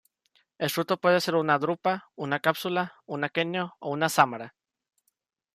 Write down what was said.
El fruto puede ser una drupa, una cápsula, un aquenio o una sámara.